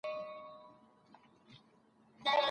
موسیقي د روح د خوشحالۍ وسیله ده.